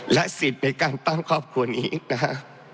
และสิทธิ์ในการตั้งครอบครัวนี้นะฮะ